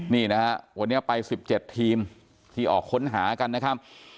นี่นะฮะวันนี้ไป๑๗ทีมที่ออกค้นหากันนะครับ